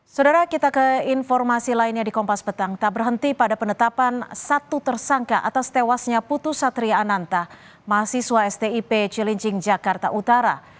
saudara kita ke informasi lainnya di kompas petang tak berhenti pada penetapan satu tersangka atas tewasnya putus satria ananta mahasiswa stip cilincing jakarta utara